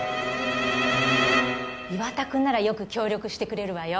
岩田君ならよく協力してくれるわよ。